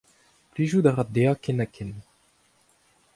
Plijout a ra dezhañ ken-ha-ken.